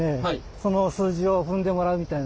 その数字を踏んでもらうみたいな。